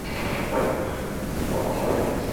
Los ultimos cuatro, juegan en Grupo de Consuelo.